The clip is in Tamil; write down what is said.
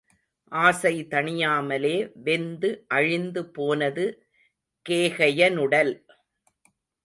ஆசை தணியாமலே வெந்து அழிந்து போனது கேகயனுடல்.